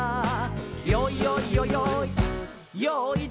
「よいよいよよい